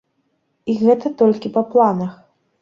І гэта толькі па планах!